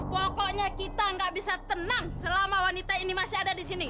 pokoknya kita nggak bisa tenang selama wanita ini masih ada di sini